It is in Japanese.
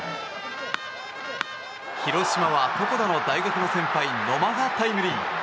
広島は床田の大学の先輩野間がタイムリー。